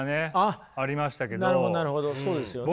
なるほどなるほどそうですよね。